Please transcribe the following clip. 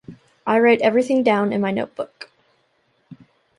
I write everything down in my notebook.